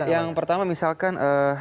yang pertama misalkan